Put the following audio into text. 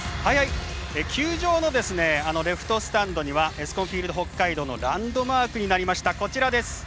球場のレフトスタンドにはエスコンフィールド北海道のランドマークになりました